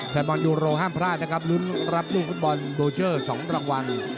แฟนบอลยูโรห้ามพลาดนะครับลุ้นรับลูกฟุตบอลโดเชอร์๒รางวัล